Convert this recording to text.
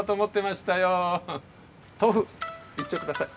豆腐一丁ください。